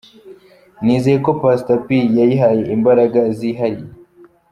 Nizeye ko Pastor P yayihaye imbaraga zihariye.